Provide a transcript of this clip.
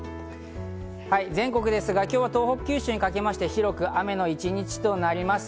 全国ですが今日は東北から九州にかけまして広く雨の一日となります。